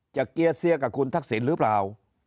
เกียร์เสียกับคุณทักษิณหรือเปล่า